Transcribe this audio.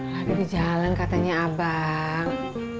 lalu di jalan katanya abang